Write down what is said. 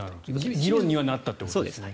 議論にはなったということですね。